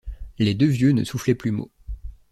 Les deux vieux ne soufflaient plus mot.